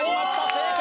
正解！